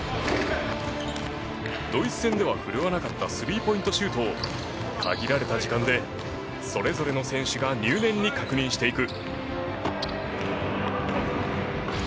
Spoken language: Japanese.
ドイツ戦では振るわなかったスリーポイントシュートを限られた時間でそれぞれの選手が入念に確認していく。